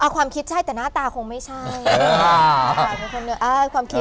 ความคิดใช่แต่หน้าตาคงไม่ใช่